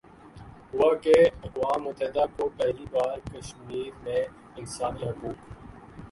ہوا کہ اقوام متحدہ کو پہلی بار کشمیرمیں انسانی حقوق